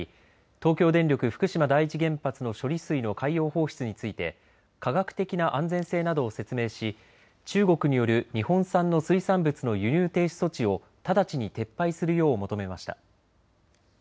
東京電力福島第一原発の処理水の海洋放出について科学的な安全性などを説明し中国による日本産の水産物の輸入停止措置を直ちに撤廃するよう求めました。